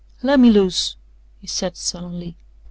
"Lemme loose!" he said sullenly.